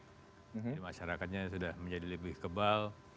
jadi masyarakatnya sudah menjadi lebih kebal